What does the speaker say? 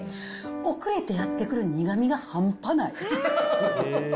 遅れてやって来る苦みが半端ない。